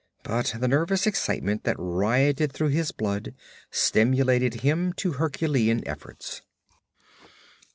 But the nervous excitement that rioted through his blood stimulated him to Herculean efforts.